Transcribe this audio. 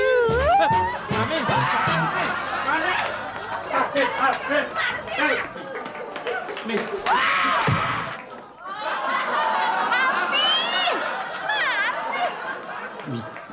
nah ales nih